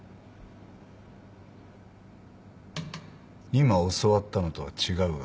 今教わったのとは違うが。